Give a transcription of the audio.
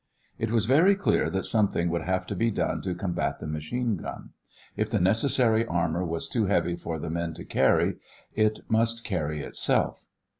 It was very clear that something would have to be done to combat the machine gun. If the necessary armor was too heavy for the men to carry, it must carry itself.